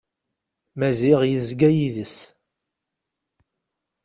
Maziɣ yezga d yid-s.